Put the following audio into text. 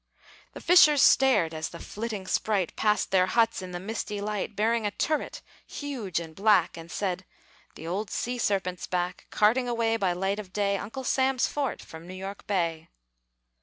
The fishers stared as the flitting sprite Passed their huts in the misty light, Bearing a turret huge and black, And said, "The old sea serpent's back, Carting away by light of day, Uncle Sam's fort from New York Bay."